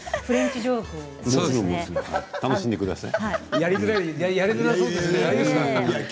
楽しんでください。